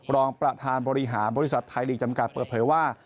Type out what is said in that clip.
รองประธานบริหารบริษัทไทยลีกจำกัดเปิดเผยว่า